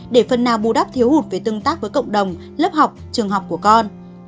để phần nào bù đắp thiếu hụt về tương tác với cộng đồng lớp học trường học của con